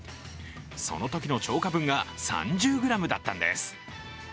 そのときの超過分が３０ｇだったんです。